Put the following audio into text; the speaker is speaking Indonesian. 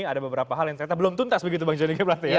ada beberapa hal yang terkata belum tuntas begitu bang joni